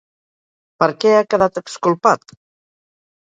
Per què ha quedat exculpat?